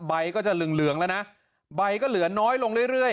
ใบก็จะเหลืองแล้วนะใบก็เหลือน้อยลงเรื่อย